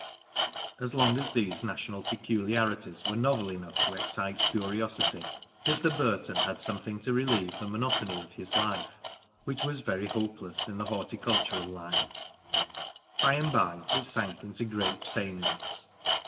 As long as these national peculiarities were novel enough to excite curiosity, Mr. Burton had something to relieve the monotony of his life, which was very hopeless in the horticul tural line. By and bye it sank into great sameness.